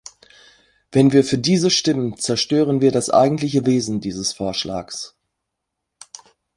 Wenn wir für diese stimmen, zerstören wir das eigentliche Wesen dieses Vorschlags.